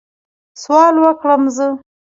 سوال وکړم زه؟